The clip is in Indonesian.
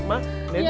oh lucu ya